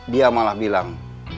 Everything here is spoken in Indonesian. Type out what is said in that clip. dia malah bilang